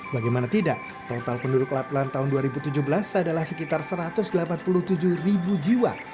bagaimana tidak total penduduk laplan tahun dua ribu tujuh belas adalah sekitar satu ratus delapan puluh tujuh ribu jiwa